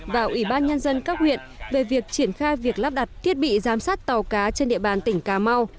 và ủy ban nhân dân các huyện về việc triển khai việc lắp đặt thiết bị giám sát tàu cá trên địa bàn tỉnh cà mau